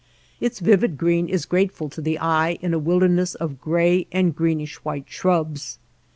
Its vivid green is grateful to the eye in a wilderness of gray and greenish white shrubs.